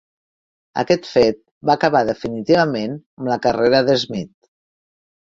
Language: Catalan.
Aquest fet va acabar definitivament amb la carrera de Smith.